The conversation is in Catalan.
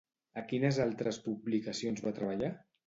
A quines altres publicacions va treballar?